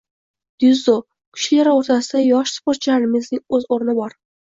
Dzyudo: kuchlilar orasida yosh sportchilarimizning o‘z o‘rni bor